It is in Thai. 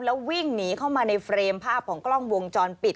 แล้ววิ่งหนีเข้ามาในเฟรมภาพของกล้องวงจรปิด